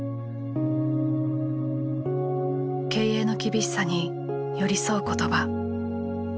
経営の厳しさに寄り添う言葉。